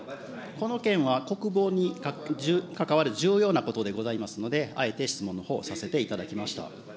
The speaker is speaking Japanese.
この件は国防に関わる重要なことでございますので、あえて質問のほう、させていただきました。